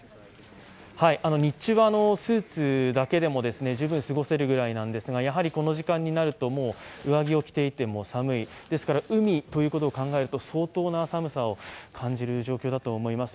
日中はスーツだけでも十分過ごせるぐらいなんですが、やはりこの時間になるともう上着を着ていても寒い、ですから海ということを考えると相当な寒さを感じる状況だと思います。